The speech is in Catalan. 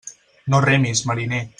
No remis, mariner.